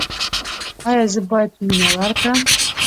ایا زه باید مینه وکړم؟